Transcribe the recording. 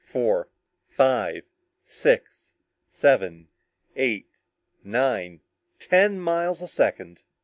Four five six seven eight nine ten miles a second!